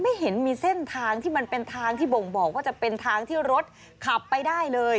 ไม่เห็นมีเส้นทางที่มันเป็นทางที่บ่งบอกว่าจะเป็นทางที่รถขับไปได้เลย